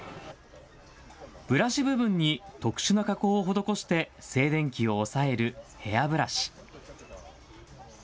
ブラシ部分に特殊な加工を施して静電気を抑えるヘアブラシ。